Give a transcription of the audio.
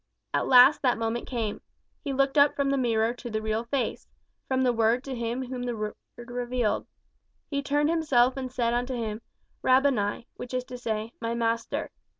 At last that moment came. He looked up from the mirror to the real Face; from the Word to him whom the Word revealed. He turned himself and said unto him, "Rabboni, which is to say. My Master."